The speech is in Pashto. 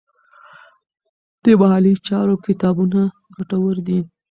د مالي چارو کتابونه ګټور دي.